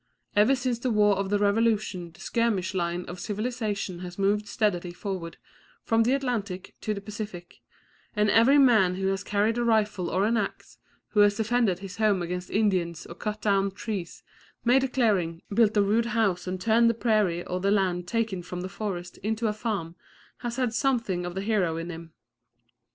Ever since the war of the Revolution the skirmish line of civilisation has moved steadily forward from the Atlantic to the Pacific; and every man who has carried a rifle or an axe, who has defended his home against Indians or cut down trees, made a clearing, built a rude house and turned the prairie or the land taken from the forest into a farm, has had something of the hero in him.